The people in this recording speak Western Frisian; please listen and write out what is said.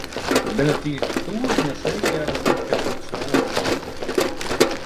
Der binne tiisdei tûzenen seestjerren oanspield op it strân fan Skylge.